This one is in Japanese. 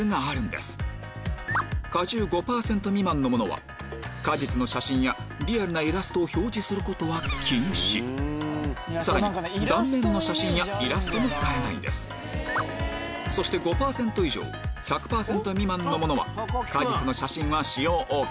果汁５％未満のものは果実の写真やリアルなイラストを表示することは禁止さらに断面の写真やイラストも使えないんですそして５％以上１００％未満のものは果実の写真は使用ＯＫ